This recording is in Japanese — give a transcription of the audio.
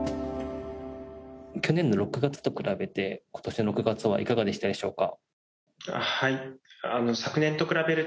去年の６月と比べて今年の６月はいかがでしたでしょうか。